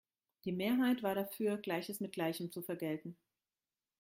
Die Mehrheit war dafür, Gleiches mit Gleichem zu vergelten.